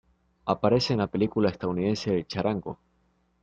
Aparece en la película estadounidense El Charango.